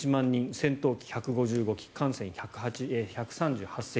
戦闘機１１５機艦船１３８隻。